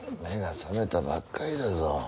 目が覚めたばっかりだぞ